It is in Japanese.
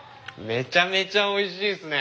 めちゃめちゃおいしいっすね！